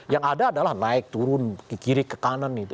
yang ada adalah naik turun ke kiri ke kanan gitu